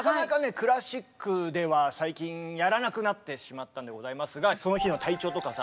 クラシックでは最近やらなくなってしまったんでございますがその日の体調とかさ